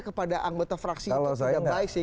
kepada anggota fraksi itu sudah baik sih